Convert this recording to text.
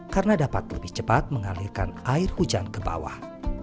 karena dapat lebih cepat mengalirkan air hujan ke bawah